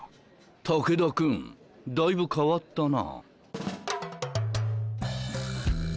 武田君だいぶ変わったな。